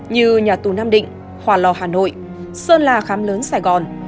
như nhà tù nam định hòa lò hà nội sơn la khám lớn sài gòn